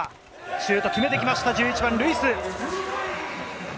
シュート決めてきました、１１番・ルイス。